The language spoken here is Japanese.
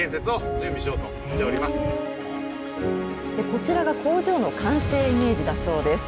こちらが工場の完成イメージだそうです。